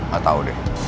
gak tau deh